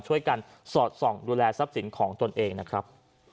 ช่วยกันสอดส่องดูแลทรัพย์สินของตนเองนะครับ